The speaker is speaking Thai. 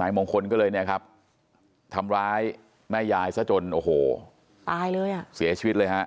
นายมงคลก็เลยทำร้ายแม่ยายซะจนโอ้โหเสียชีวิตเลยฮะ